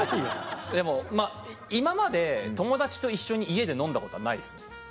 でも今まで友達と一緒に家で飲んだことはないですね。